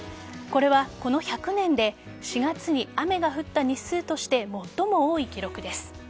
これは、この１００年で４月に雨が降った日数として最も多い記録です。